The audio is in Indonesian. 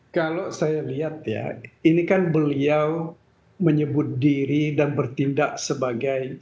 kalau saya lihat ya ini kan beliau menyebut diri dan bertindak sebagai